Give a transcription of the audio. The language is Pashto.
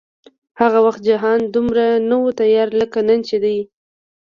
هغه وخت جهان دومره نه و تیاره لکه نن چې دی